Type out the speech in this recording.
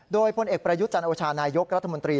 โดยพลเอกประยุทธ์จันโอชานายกรัฐมนตรี